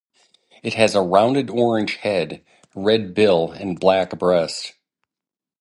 It has a rounded orange head, red bill and black breast.